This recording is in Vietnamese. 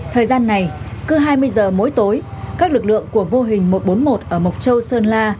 thời gian này cứ hai mươi giờ mỗi tối các lực lượng của vô hình một trăm bốn mươi một ở mộc châu sơn la